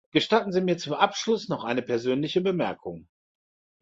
Gestatten Sie mir zum Abschluss noch eine persönliche Bemerkung.